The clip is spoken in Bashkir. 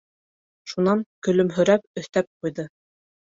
Шунан көлөмһөрәп өҫтәп ҡуйҙы.